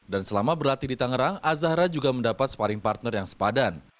dan selama berlatih di tangerang azahra juga mendapat sparing partner yang sepadan